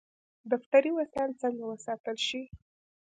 دفتري وسایل څنګه وساتل شي؟